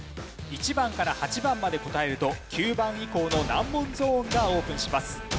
１番から８番まで答えると９番以降の難問ゾーンがオープンします。